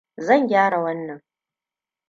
Zan gyara wannan.